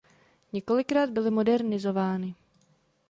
Několikrát byly modernizovány.